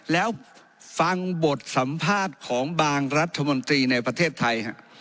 แล้วฟังบทสัมภาษณ์ของบางรัฐมนตรีในประเทศไทย